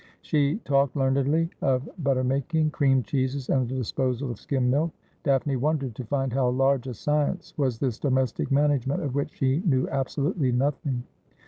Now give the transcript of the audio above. She talked learnedly of butter making, cream cheeses, and the disposal of skim milk. Daphne wondered to find how large a science was this domestic manage ment of which she knew absolutely nothing.